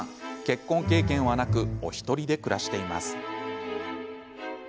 結婚経験はなくお一人で暮らしています。